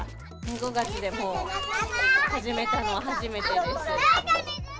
５月でも始めたのは初めてです。